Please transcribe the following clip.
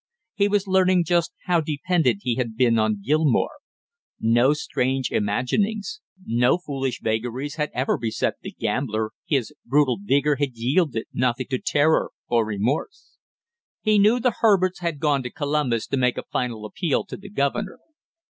He was learning just how dependent he had been on Gilmore; no strange imaginings, no foolish vagaries had ever beset the gambler, his brutal vigor had yielded nothing to terror or remorse. He knew the Herberts had gone to Columbus to make a final appeal to the governor.